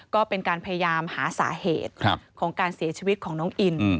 ก็เป็นการพยายามหาสาเหตุของการเสียชีวิตของน้องอิน